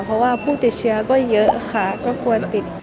เพราะว่าผู้ติดเชื้อก็เยอะค่ะก็ควรติด